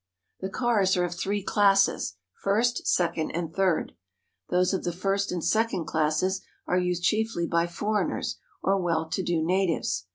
The cars are of three classes — first, second, and third. Those of the first and second classes are used chiefly by for eigners or well to do natives.